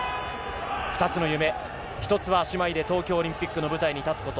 ２つの夢１つは姉妹で東京オリンピックの舞台立つこと。